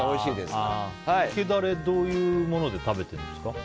つけダレ、どういうもので食べてるんですか？